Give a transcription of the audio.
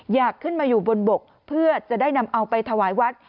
อยากขึ้นมาอยู่บนบกเพื่อจะได้นำเอาไปถวายวัด